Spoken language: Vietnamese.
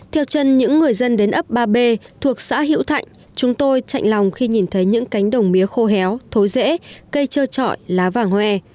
theo chân những người dân đến ấp ba b thuộc xã hiễu thạnh chúng tôi chạy lòng khi nhìn thấy những cánh đồng mía khô héo thối rễ cây trơ trọi lá vàng hoe